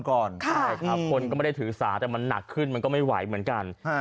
ใช่ครับคนก็ไม่ได้ถือสาแต่มันหนักขึ้นมันก็ไม่ไหวเหมือนกัน